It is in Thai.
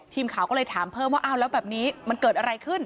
ทีมข่าวก็เลยถามเพิ่มว่าอ้าวแล้วแบบนี้มันเกิดอะไรขึ้น